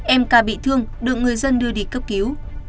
em ca bị thương được người dân đưa đi cấp cứu